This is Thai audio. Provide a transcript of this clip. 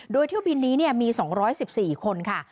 โดยเที่ยวบินนี้มี๒๑๔คนค่ะ